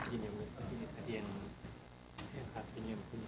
ini tadi yang hp nya